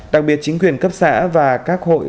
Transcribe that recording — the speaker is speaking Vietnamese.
đặc biệt chính quyền cấp xã và các hội